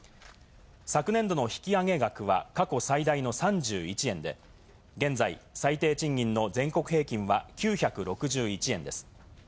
昨年度の引き上げ額は過去最大の３１円で、現在、最低賃金の全国平均は９６１円です。